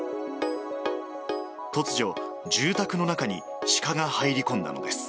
突如、住宅の中にシカが入り込んだのです。